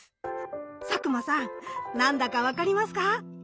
佐久間さん何だか分かりますか？